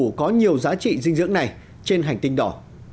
trồng loại củ có nhiều giá trị dinh dưỡng này trên hành tinh đỏ